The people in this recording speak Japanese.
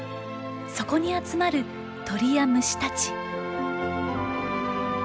そこに集まる鳥や虫たち。